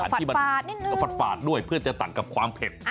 ฝาดนิดนึงฝาดด้วยเพื่อจะต่ำกับความเผ็ด